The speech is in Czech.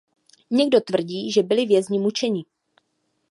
Někdo tvrdí, že byli vězni mučeni.